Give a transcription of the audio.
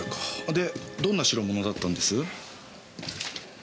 でどんな代物だったんです？